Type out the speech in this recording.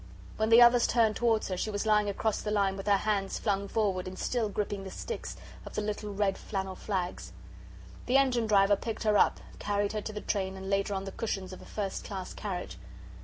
When the others turned towards her she was lying across the line with her hands flung forward and still gripping the sticks of the little red flannel flags. The engine driver picked her up, carried her to the train, and laid her on the cushions of a first class carriage.